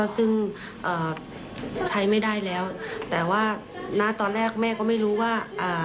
ซึ่งเอ่อใช้ไม่ได้แล้วแต่ว่าณตอนแรกแม่ก็ไม่รู้ว่าอ่า